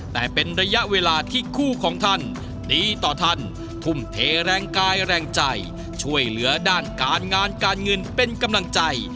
แต่เป็นระยะเวลาที่คู่ของท่านดีต่อท่านทุ่มเทแรงกายแรงใจช่วยเหลือด้านการงานการเงินเป็นกำลังใจ